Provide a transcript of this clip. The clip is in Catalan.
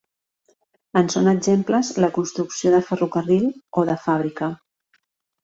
En són exemples la construcció de ferrocarril o de fàbrica.